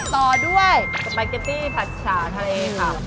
ต่อด้วยสปาเกตตี้ผัดฉาทะเลค่ะ